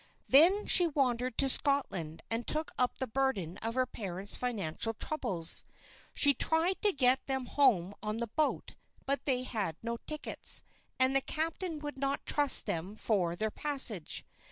Then she wandered to Scotland and took up the burden of her parents' financial troubles. She tried to get them home on the boat, but they had no tickets, and the captain would not trust them for their passage.